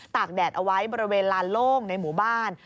กแดดเอาไว้บริเวณลานโล่งในหมู่บ้าน